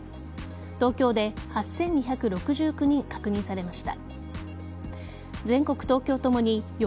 東京で８２６９人確認されました。